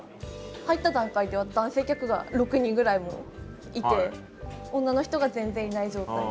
入った段階で男性客が６人ぐらいもういて女の人が全然いない状態。